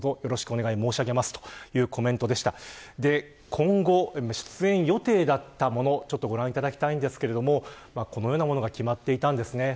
今後、出演予定だったものをご覧いただきたいんですがこのようなものが決まっていたんです。